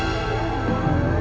aku sangat merindukanmu junet